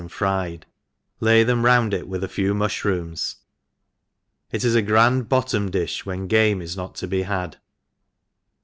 and fried, lay them round it with a few muihrooms. It is a grand bottom di^ when g»me is not to be had.